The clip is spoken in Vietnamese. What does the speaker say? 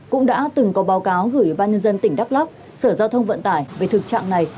cũng đã từng có báo cáo gửi ban nhân dân tỉnh đắk lắk sở giao thông vận tải về thực trạng này